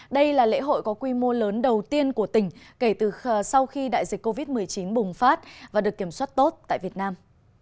đây là lễ hội có quy mô lớn đầu tiên của tỉnh kể từ sau khi đại dịch covid một mươi chín bùng phát và được kiểm soát tốt tại việt nam